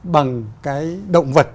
bằng cái động vật